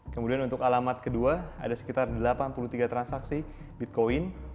kemudian untuk alamat kedua ada sekitar delapan puluh tiga transaksi bitcoin